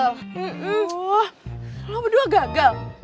lo berdua gagal